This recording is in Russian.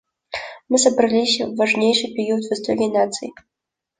Мы собрались в важнейший период в истории наций.